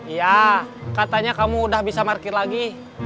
iya katanya kamu udah bisa markir lagi